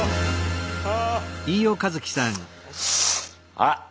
あっ